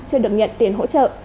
chưa được nhận tiền hỗ trợ